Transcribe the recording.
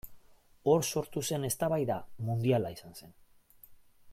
Hor sortu zen eztabaida mundiala izan zen.